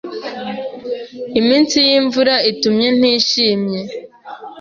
Iminsi yimvura itumye ntishimye.